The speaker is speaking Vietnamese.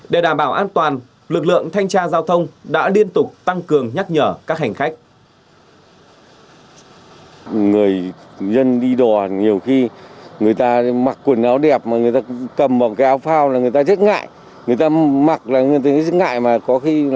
để đảm bảo an toàn lực lượng thanh tra giao thông đã liên tục tăng cường nhắc nhở các hành khách